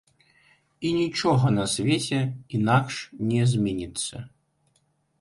І нічога на свеце інакш не зменіцца.